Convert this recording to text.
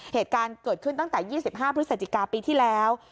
เหตุการณ์เกิดขึ้นตั้งแต่๒๕พฤศจิกาปีที่แล้ว